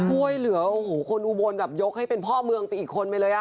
ช่วยเหลือโอ้โหคนอุบลแบบยกให้เป็นพ่อเมืองไปอีกคนไปเลยอ่ะ